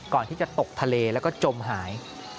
ก่อนที่จะตกทะเลแล้วก็จมหาย